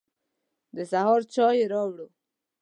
د سهار چای يې راوړ.